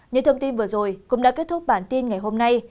những thông tin vừa rồi cũng đã kết thúc bản tin ngày hôm nay